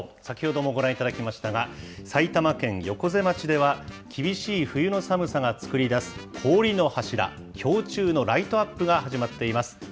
先ほどもご覧いただきましたが、埼玉県横瀬町では、厳しい冬の寒さが作り出す氷の柱、氷柱のライトアップが始まっています。